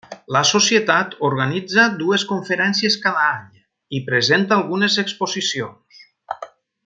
La societat organitza dues conferències cada any i presenta algunes exposicions.